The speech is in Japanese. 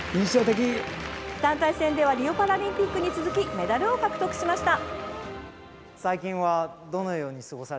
団体戦ではリオパラリンピックに続きメダルを獲得しました。